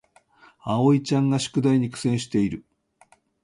あおいちゃんが宿題に苦戦している